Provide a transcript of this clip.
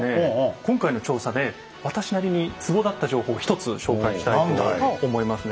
今回の調査で私なりにツボだった情報を１つ紹介したいと思いますね。